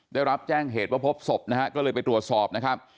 ได้รับแจ้งเหตุว่าพบศพนะฮะก็เลยไปตรวจสอบนะครับ